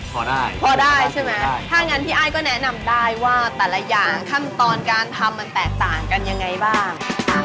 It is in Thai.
ขั้นตอนการทำมันแตกต่างกันยังไงบ้าง